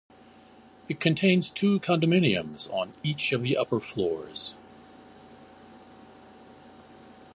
It contains two condominiums on each of the upper floors.